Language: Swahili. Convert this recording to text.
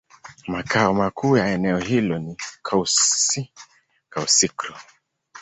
Makao makuu ya eneo hilo ni Kouassi-Kouassikro.